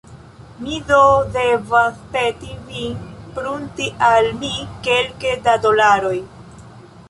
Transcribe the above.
Mi do devas peti vin prunti al mi kelke da dolaroj.